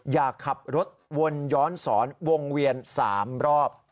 อย่าขับรถวนย้อนสอนวงเวียน๓รอบ